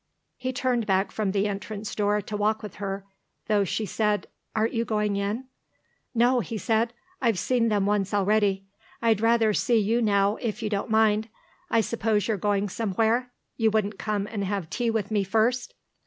He turned back from the entrance door to walk with her, though she said, "Aren't you going in?" "No," he said. "I've seen them once already. I'd rather see you now, if you don't mind. I suppose you're going somewhere? You wouldn't come and have tea with me first?"